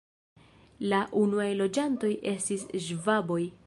La unuaj loĝantoj estis ŝvaboj.